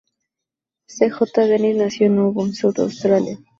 C. J. Dennis nació en Auburn, South Australia.